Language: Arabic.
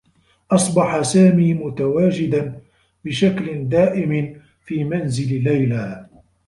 أصبح سامي متواجدا بشكل دائم في منزل ليلى.